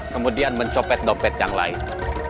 kemudian mencopet dompet yang lain